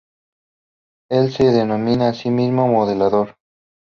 Él se denomina a sí mismo "modelador".